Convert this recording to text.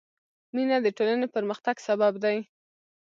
مینه د ټولنې پرمختګ سبب دی.